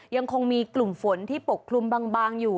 ยังคงมีกลุ่มฝนที่ปกคลุมบางอยู่